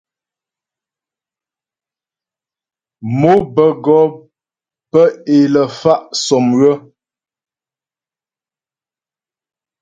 Mò bə́ go'o bə́ é lə fa' sɔ́mywə.